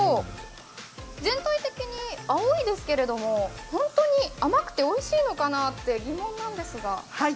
全体的に青いですけれども、本当に甘くておいしいのかなって疑問なんですが。